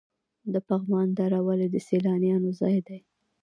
د پغمان دره ولې د سیلانیانو ځای دی؟